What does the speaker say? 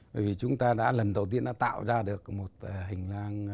bởi vì chúng ta đã lần đầu tiên đã tạo ra được một hình năng